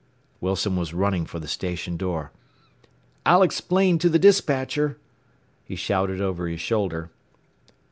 Wilson was running for the station door. "I'll explain to the despatcher," he shouted over his shoulder.